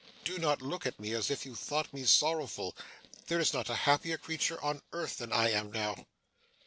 Do not look at me as if you thought me sorrowful. There is not a happier creature on earth, than I am now.